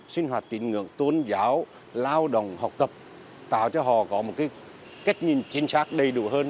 sinh hoạt tín ngưỡng tôn giáo lao động học tập tạo cho họ có một cách nhìn chính xác đầy đủ hơn